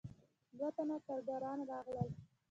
دوه تنه کارګران راغلل.